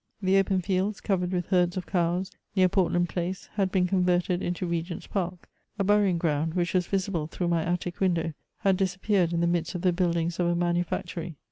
The open fields, covered with herds of cows, near Port land Place, had been converted into Regenfs Park ; a burying ground, which was visible through my attic window, had disap peared in the midst of the buildings of a manufactory.